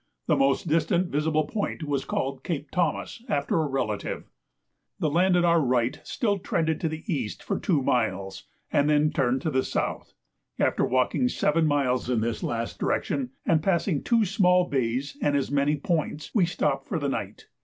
The most distant visible point was called Cape Thomas after a relative. The land on our right still trended to the east for two miles, and then turned to the south. After walking seven miles in this last direction, and passing two small bays and as many points, we stopped for the night.